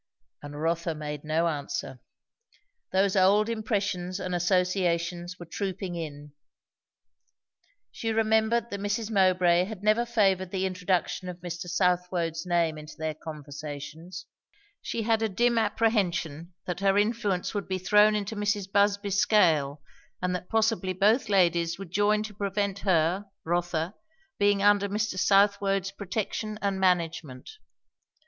And Rotha made no answer. Those old impressions and associations were trooping in. She remembered that Mrs. Mowbray had never favoured the introduction of Mr. Southwode's name into their conversations; she had a dim apprehension that her influence would be thrown into Mrs. Busby's scale, and that possibly both ladies would join to prevent her, Rotha's, being under Mr. Southwode's protection and management.